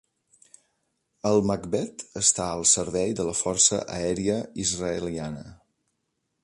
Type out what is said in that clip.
El Machbet està al servei de la força aèria israeliana.